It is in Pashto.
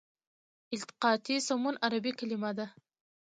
التقاطي سمون عربي کلمه ده.